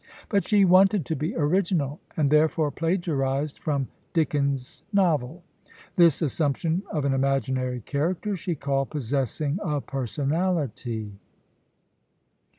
But she wanted to be original, and therefore plagiarised from Dickens' novel. This assumption of an imaginary character she called "possessing a personality."